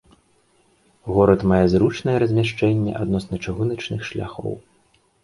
Горад мае зручнае размяшчэнне адносна чыгуначных шляхоў.